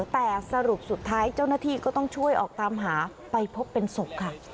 แต่สรุปสุดท้ายเจ้าหน้าที่ก็ต้องช่วยออกตามหาไปพบเป็นศพค่ะ